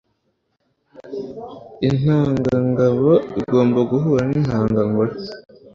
intangangabo igomba guhura n'intangangore